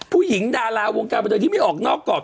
ผู้หญิงดาราวงการประเทศที่ไม่ออกนอกกรอบ